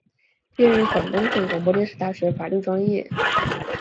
毕业于广东省广播电视大学法律专业。